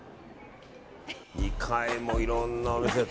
２階にもいろんなお店が。